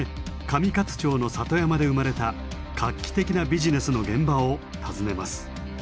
上勝町の里山で生まれた画期的なビジネスの現場を訪ねます。